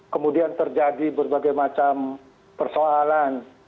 kemudian terjadi berbagai macam persoalan